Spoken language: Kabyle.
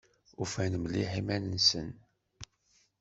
Ufan mliḥ iman-nsen.